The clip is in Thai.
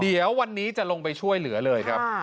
เดี๋ยววันนี้จะลงไปช่วยเหลือเลยครับ